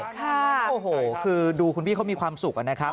โอ้โหคือดูคุณพี่เขามีความสุขนะครับ